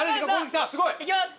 すごい！いきます。